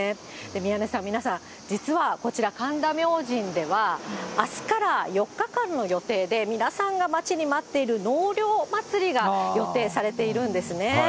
宮根さん、皆さん、実はこちら、神田明神ではあすから４日間の予定で、皆さんが待ちに待っている納涼祭りが予定されているんですね。